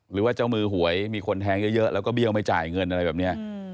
หรือว่าเจ้ามือหวยมีคนแทงเยอะแล้วก็เบี้ยวไม่จ่ายเงินอะไรแบบนี้